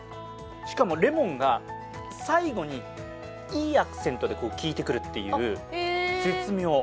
しかも、レモンが最後にいいアクセントできいてくるっていう、絶妙。